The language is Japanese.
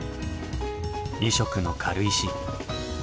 ２色の軽石。